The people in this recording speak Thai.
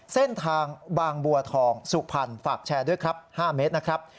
เส้นทางบางบัวทองสุพรรณฝากแชร์ด้วยครับ๕เมตรนะครับ